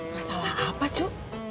masalah apa cu